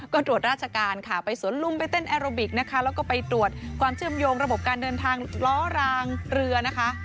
ก็ตรวจราชการค่ะไปสวนลุมไปเต้นแอโรบิกนะคะแล้วก็ไปตรวจความเชื่อมโยงระบบการเดินทางล้อรางเรือนะคะ